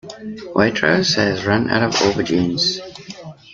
Waitrose has run out of aubergines